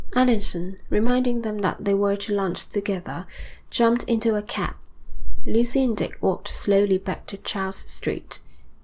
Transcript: Allerton, reminding them that they were to lunch together, jumped into a cab. Lucy and Dick walked slowly back to Charles Street.